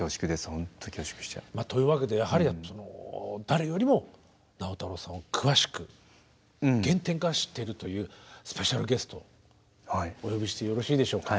ほんと恐縮しちゃう。というわけでやはり誰よりも直太朗さんを詳しく原点から知っているというスペシャルゲストお呼びしてよろしいでしょうか。